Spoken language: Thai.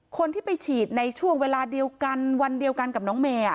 คนที่ไปฉีดในช่วงเวลาเดียวกันวันเดียวกันกับน้องเมย์